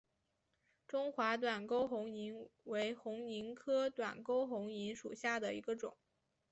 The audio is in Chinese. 中华短沟红萤为红萤科短沟红萤属下的一个种。